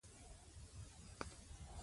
کمپیوټر نښې لېږي او اخلي.